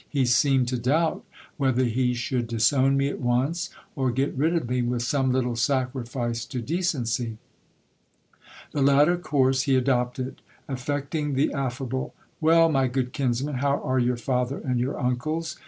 He seemed to doubt whether he should disown me at once, or get rid of me with some little sacrifice to decency. The latter course he adopted. Affecting the affable : Well, my good kinsman, how are your father and your uncles